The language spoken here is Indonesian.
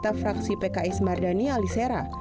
dari anggota fraksi pki semardhani alisera